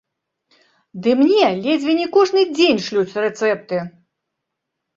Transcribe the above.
Ды мне ледзьве не кожны дзень шлюць рэцэпты!